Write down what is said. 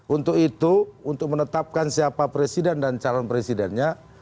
untuk itu untuk menetapkan siapa presiden dan calon presidennya